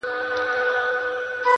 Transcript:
ځو به چي د شمعي پر لار تلل زده کړو.!